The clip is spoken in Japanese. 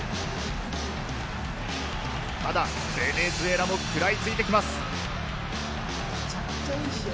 ただ、ベネズエラも食らいついてきます。